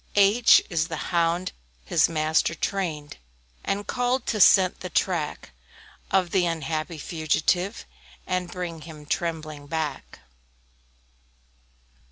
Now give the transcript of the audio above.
H H is the Hound his master trained, And called to scent the track Of the unhappy Fugitive, And bring him trembling back.